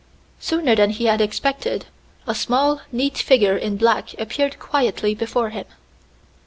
Sooner than he had expected, a small, neat figure in black appeared quietly before him.